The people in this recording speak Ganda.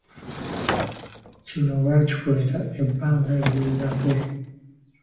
Kino baakikolera ebbanga eriwerako.